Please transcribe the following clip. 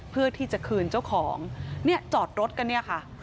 เพื่อที่จะคืนเจ้าของเนี่ยจอดรถกันเนี่ยค่ะ